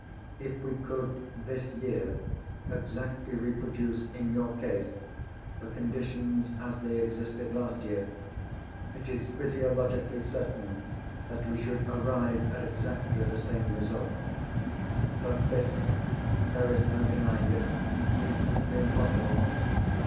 If we could, this year, exactly reproduce, in your case, the conditions as they existed last year, it is physiologically certain that we should arrive at exactly the same result. But this—there is no denying it—is simply impossible.